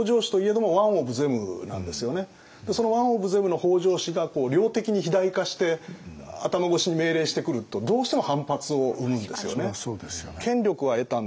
そのワンオブゼムの北条氏が量的に肥大化して頭越しに命令してくるとどうしても反発を生むんですよね。